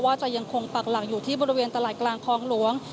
จะยังคงปักหลักอยู่ที่บริเวณตลาดกลางคลองหลวง